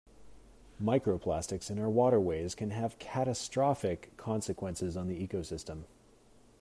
Microplastics in our waterways can have catastrophic consequences on the ecosystem.